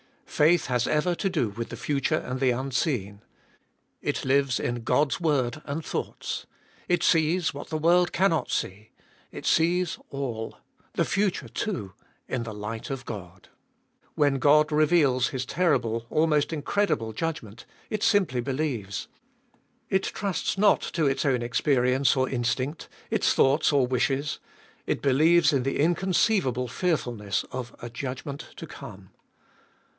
Faith has ever to do with the future and the unseen. It lives in God's word and thoughts ; it sees what the world can not see : it sees all, the future too, in the light of God. When God reveals His terrible, almost incredible judgment, it simply believes. It trusts not to its own experience or instinct, its thoughts or wishes. It believes in the inconceivable fearfulness of a judgment to come.